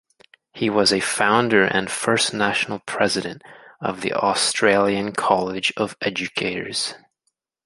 He was a founder and first National President of the Australian College of Educators.